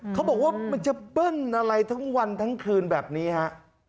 เขาบอกว่ามันจะเปิ้ลอะไรทั้งวันทั้งคืนแบบนี้ฮะ